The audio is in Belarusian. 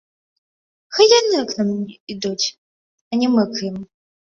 Хай яны к нам ідуць, а не мы к ім!